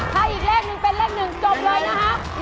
ถ้าอีกเลข๑เป็นเลข๑จบเลยนะค่ะ